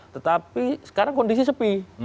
tetapi sekarang kondisi sepi